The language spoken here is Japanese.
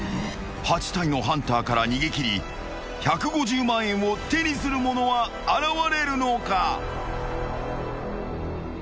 ［８体のハンターから逃げ切り１５０万円を手にする者は現れるのか？］